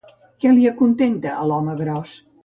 Què li acontenta a l'home gros?